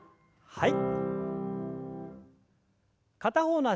はい。